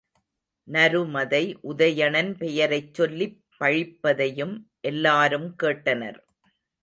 நருமதை உதயணன் பெயரைச் சொல்லிப் பழிப்பதையும் எல்லாரும் கேட்டனர்.